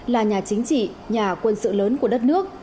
là nhà chính trị nhà quân sự lớn của đất nước